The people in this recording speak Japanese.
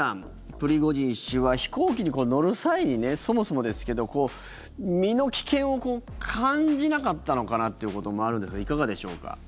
プリゴジン氏は飛行機に乗る際にそもそもですけど、身の危険を感じなかったのかなっていうこともあるんですがいかがでしょうか。